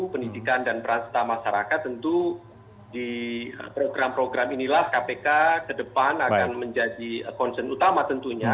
pendidikan dan peran serta masyarakat tentu di program program inilah kpk ke depan akan menjadi concern utama tentunya